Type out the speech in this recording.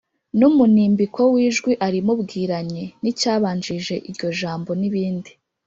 n'umunimbiko w'ijwi arimubwiranye, n'icyabanjirije iryo jambo n'ibindi